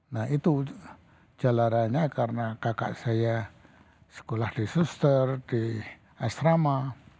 nah itu jalanannya karena kakak saya sekolah di suster di asrama